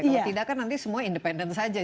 kalau tidak kan nanti semua independen saja